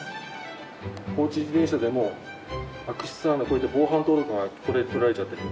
放置自転車でも悪質なのはこうやって防犯登録がこれ取られちゃってる。